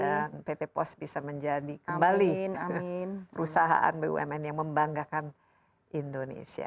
dan pt pos bisa menjadi kembali perusahaan bumn yang membanggakan indonesia